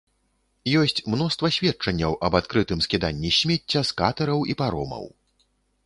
Ёсць мноства сведчанняў аб адкрытым скіданні смецця з катэраў і паромаў.